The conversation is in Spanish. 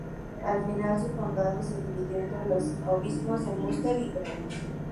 Al final, su condado se dividió entre los obispos de Münster y Bremen.